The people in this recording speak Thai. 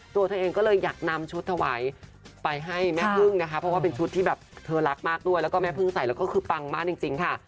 ตัวเธอเองก็เลยอยากนำชุดถวายไปให้แม่พึ่งนะคะเพราะว่าเป็นชุดที่แบบเธอรักมากด้วยแล้วก็แม่พึ่งใส่แล้วก็คือปังมากจริงค่ะ